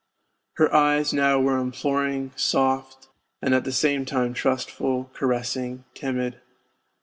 Her eyes now were imploring, soft, and at the same time trustful, caressing, timid.